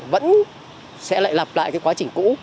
vẫn sẽ lại lặp lại cái quá trình cũ